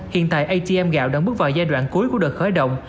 hiện tại atm gạo đang bước vào giai đoạn cuối của đợt khởi động